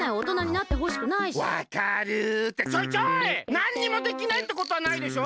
なんにもできないってことはないでしょ！